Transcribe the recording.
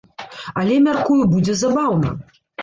Але, мяркую, будзе забаўна.